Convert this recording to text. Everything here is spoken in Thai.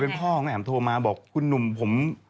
ก็โกรธเป็นพ่อผมแหลมโทรมาบอกคุณหนุ่มผม